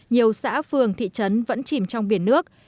nhiều xã phường thị trấn vẫn chìm trong biển nước